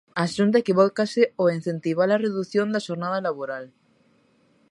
A Xunta equivócase ó incentiva-la redución da xornada laboral.